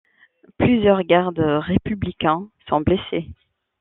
Plusieurs gardes républicains sont blessés.